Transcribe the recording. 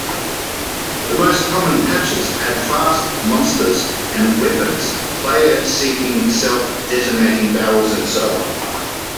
The most common patches add fast monsters and weapons, player-seeking-self-detonating barrels, and so on.